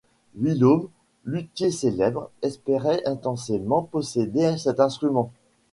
Vuillaume, luthier célèbre, espérait intensément posséder cet instrument.